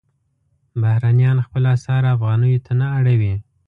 بهرنیان خپل اسعار افغانیو ته نه اړوي.